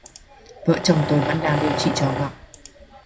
Vợ chồng tôi vẫn đang điều trị cho Ngọc